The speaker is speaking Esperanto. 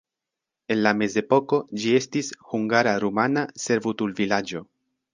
En la mezepoko ĝi estis hungara-rumana servutulvilaĝo.